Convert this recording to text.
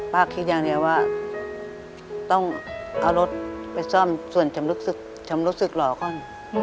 ป้าคิดอย่างนี้ว่าต้องเอารถไปซ่อมส่วนชำลึกศึกชำลึกศึกหล่อข้อน